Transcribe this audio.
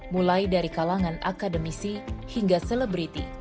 mulai dari kalangan akademisi hingga selebriti